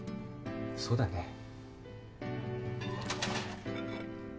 そうだね。